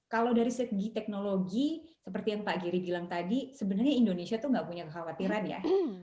kalau dari segi teknologi seperti yang pak giri bilang tadi sebenarnya indonesia itu nggak punya kekhawatiran ya